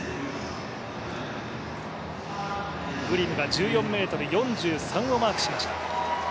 グリムが１３ｍ４３をマークしました。